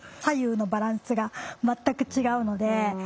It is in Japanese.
左右のバランスが全く違うので。